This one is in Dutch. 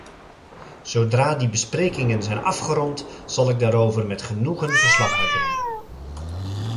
Zodra die besprekingen zijn afgerond, zal ik daarover met genoegen verslag uitbrengen.